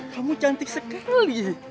kamu cantik sekali